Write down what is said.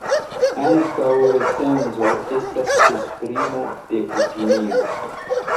Ankaŭ recenzo estas esprimo de opinio.